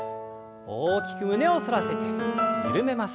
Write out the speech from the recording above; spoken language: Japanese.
大きく胸を反らせて緩めます。